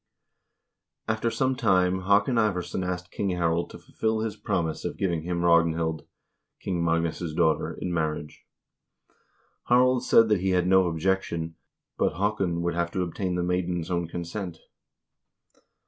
After some time Haa kon Ivarsson asked King Harald to fulfill his promise of giving him Ragnhild, King Magnus' daughter, in marriage. Harald said that he had no objection, but Haakon would have to obtain the maiden's own consent.